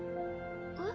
えっ？